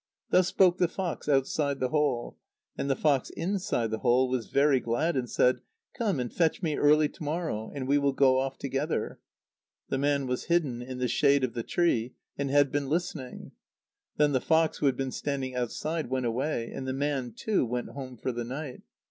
Thus spoke the fox outside the hole; and the fox inside the hole was very glad, and said: "Come and fetch me early to morrow, and we will go off together." The man was hidden in the shade of the tree, and had been listening. Then the fox who had been standing outside went away, and the man, too, went home for the night.